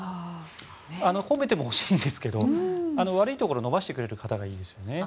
褒めてもほしいんですが悪いところを伸ばしてくれる方がいいですよね。